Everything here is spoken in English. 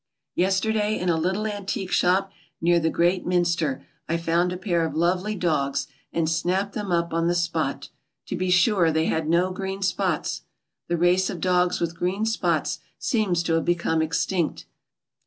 Yesterday in a litde antique shop near the great Minster I found a pair of lovely dogs and snapped them up on the spot. To be sure they had no green spots. The race of dogs with green spots seems to have become extinct.